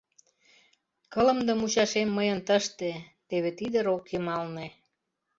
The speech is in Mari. Кылымде мучашем мыйын тыште — теве тиде рок йымалне.